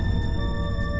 tidak ada yang bisa dipercaya